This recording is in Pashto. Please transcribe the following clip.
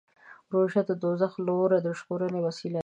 روژه د دوزخ له اوره د ژغورنې وسیله ده.